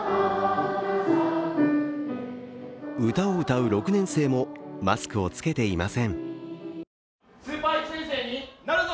歌を歌う６年生もマスクを着けていません。